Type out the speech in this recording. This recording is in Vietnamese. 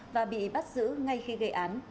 và bị bắt giữ ngay khi gây án